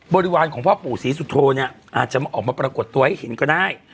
บริวารของพ่อปู่ศรีสุโธเนี่ยอาจจะออกมาปรากฏตัวให้เห็นก็ได้